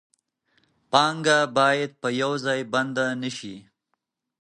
پانګه باید په یو ځای بنده نشي.